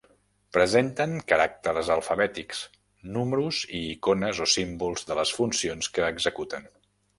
Presenten caràcters alfabètics, números i icones o símbols de les funcions que executen.